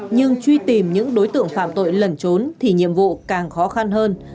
nhưng truy tìm những đối tượng phạm tội lẩn trốn thì nhiệm vụ càng khó khăn hơn